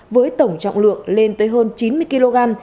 với tổng trọng lượng lên tới hơn chín mươi kg